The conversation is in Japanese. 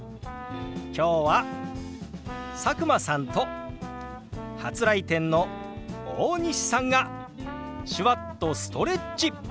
今日は佐久間さんと初来店の大西さんが手話っとストレッチ！